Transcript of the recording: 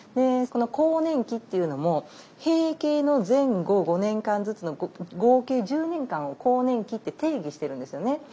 この更年期っていうのも閉経の前後５年間ずつの合計１０年間を更年期って定義してるんですよね。